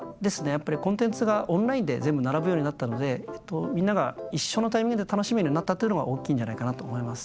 やっぱりコンテンツがオンラインで全部並ぶようになったのでみんなが一緒のタイミングで楽しめるようになったっていうのが大きいんじゃないかなと思います。